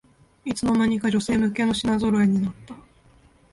いつの間にか女性向けの品ぞろえになった